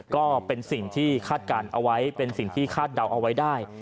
ก็เป็นสิ่งที่คาดการณ์เอาไว้เป็นสิ่งที่คาดเดาเอาไว้ได้